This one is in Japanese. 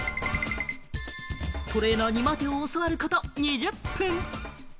トレーナーに待てを教わること２０分。